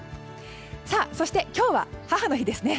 そして、今日は母の日ですね。